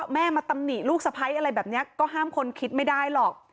แม่มาตำหนิลูกสะพ้ายอะไรแบบนี้ก็ห้ามคนคิดไม่ได้หรอก